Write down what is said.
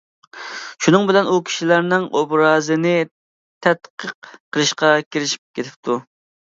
شۇنىڭ بىلەن ئۇ كىشىلەرنىڭ ئوبرازىنى تەتقىق قىلىشقا كىرىشىپ كېتىپتۇ.